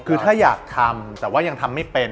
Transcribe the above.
คือถ้าอยากทำแต่ว่ายังทำไม่เป็น